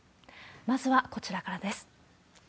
まずはこちらからです。